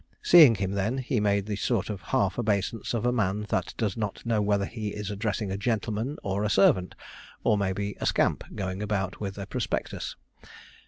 Seeing him then, he made the sort of half obeisance of a man that does not know whether he is addressing a gentleman or a servant, or, maybe, a scamp, going about with a prospectus.